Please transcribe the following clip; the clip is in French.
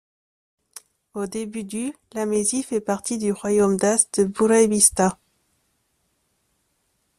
Au début du la Mésie fait partie du royaume dace de Burebista.